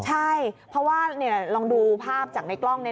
ใช่เพราะว่าลองดูภาพจากในกล้อง